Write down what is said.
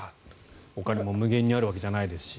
お金も無限にあるわけじゃないですし。